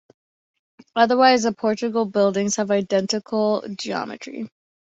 Otherwise, the Portal Buildings have identical geometry.